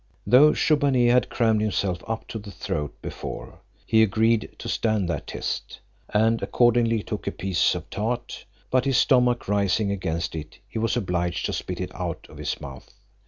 Though Shubbaunee had crammed himself up to the throat before, he agreed to stand that test, and accordingly took a piece of tart; but his stomach rising against it, he was obliged to spit it out of his mouth.